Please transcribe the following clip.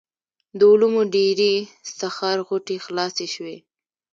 د علومو ډېرې سخر غوټې خلاصې شوې وې.